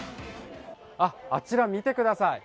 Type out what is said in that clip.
あちら見てください。